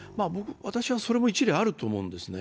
私はそれも一理あると思うんですね。